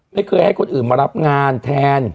ให้คนอื่นมารับงานแทน